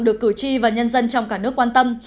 được cử tri và nhân dân trong cả nước quan tâm